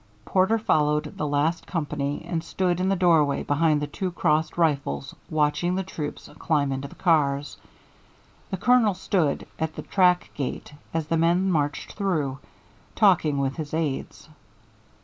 Porter followed the last company and stood in the doorway behind two crossed rifles watching the troops climb into the cars. The Colonel stood at the track gate as the men marched through, talking with his aids.